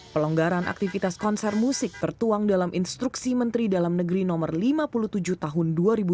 pelonggaran aktivitas konser musik tertuang dalam instruksi menteri dalam negeri no lima puluh tujuh tahun dua ribu dua puluh